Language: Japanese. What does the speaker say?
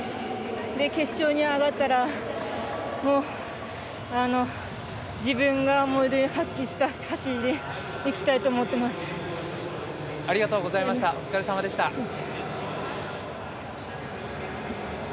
決勝に上がったら自分が思う力を発揮した走りでいきたいと思っていきます。